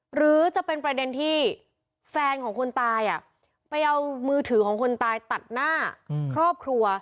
หรือจะเป็นประเด็นที่แฟนของคนตายไปเอามือถือของคนตายตัดหน้าครอบครัว